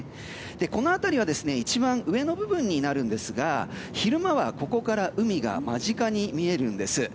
この辺りは一番上の部分になるんですが昼間はここから海が間近に見えるんです。